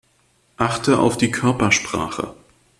Achte auf die Körpersprache.